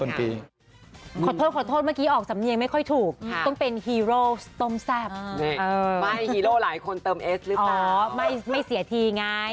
แน่นอนครับต้นปี